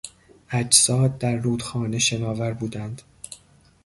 اجساد در رودخانه شناور بودند.